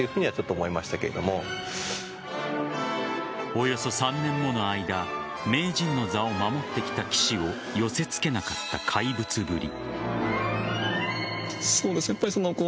およそ３年もの間名人の座を守ってきた棋士を寄せ付けなかった怪物ぶり。